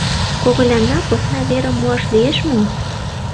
Когылянна посна верым муаш лиеш мо?